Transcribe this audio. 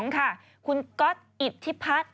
คุณก๊อตอิทธิพัฒน์